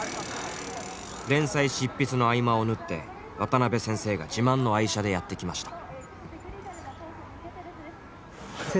連載執筆の合間を縫って渡辺先生が自慢の愛車でやって来ました。